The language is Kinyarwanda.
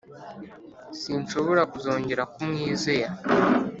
Sinshobora kuzongera kumwizera